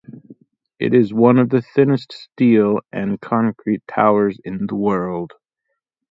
It is one of the thinnest steel and concrete towers in the world.